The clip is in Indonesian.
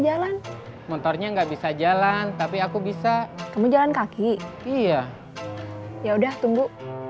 jalan motornya nggak bisa jalan tapi aku bisa kamu jalan kaki iya yaudah tunggu